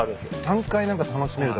３回楽しめる。